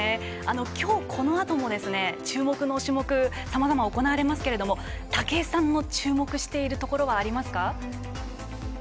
今日、このあとも注目の種目がさまざま行われますが武井さん注目しているところはありますか。